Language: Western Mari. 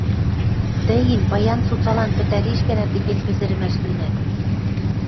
Тӹ ин паян цуцалан пӹтӓриш гӓнӓ техень пӹзӹрӹмӓш линӓт